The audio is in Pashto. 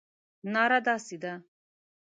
ناره داسې ده.